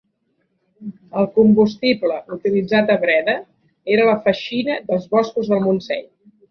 El combustible utilitzat a Breda, era la feixina dels boscos del Montseny.